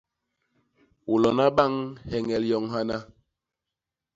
U lona bañ heñel yoñ hana!